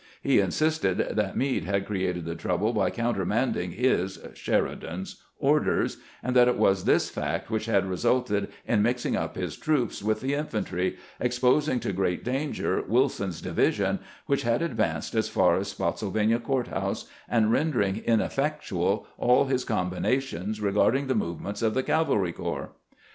He insisted that Meade had cre ated the trouble by countermanding his (Sheridan's) orders, and that it was this act which had resulted in mixing up his troops with the infantry, exposing to great danger Wilson's division, which had advanced as far as Spottsylvania Court house, and rendering in effectual all his combinations regarding the movements of the cavalry corps.